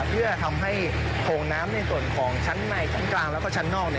เพื่อทำให้โถงน้ำในส่วนของชั้นในชั้นกลางแล้วก็ชั้นนอก